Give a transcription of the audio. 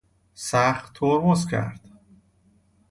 سخت ترمز کرد.